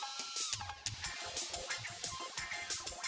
sekarang is nggak makan lagi sih teh